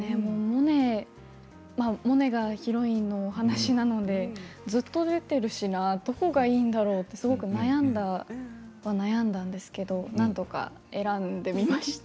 モネがヒロインのお話なので、ずっと出ているしどこがいいんだろうと、すごく悩んだは悩んだんですけどなんとか選んでみました。